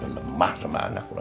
nemah sama anak lo